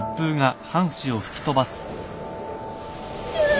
うわ！